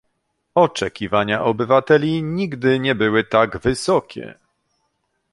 Oczekiwania obywateli nigdy nie były tak wysokie